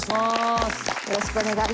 よろしくお願いします。